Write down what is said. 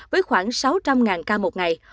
với khoảng sáu trăm linh ca một ngày